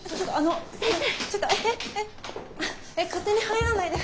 えっ勝手に入らないで。